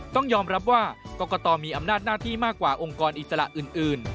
ต้องยอมรับว่ากรกตมีอำนาจหน้าที่มากกว่าองค์กรอิสระอื่น